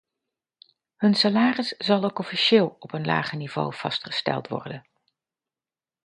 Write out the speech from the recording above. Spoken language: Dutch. Hun salaris zal ook officieel op een lager niveau vastgesteld worden.